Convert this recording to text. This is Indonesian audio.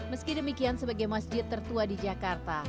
meski demikian sebagai masjid tertua di jakarta